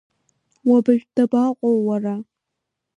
Уабажә дабаҟоу уара!